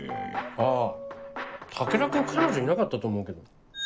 あぁ武田君彼女いなかったと思うけど。